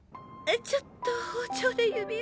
ちょっと包丁で指を。